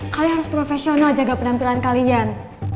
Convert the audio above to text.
kalian harus profesional jaga penampilan kalian